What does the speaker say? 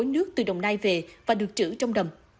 nước từ đồng nai về và được trữ trong đầm